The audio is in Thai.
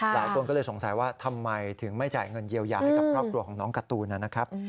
หลายคนก็เลยสงสัยว่าทำไมถึงไม่จ่ายเงินเยียวยาให้กับครอบครัวของน้องการ์ตูนนะครับ